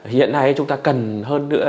hiện nay chúng ta cần hơn nữa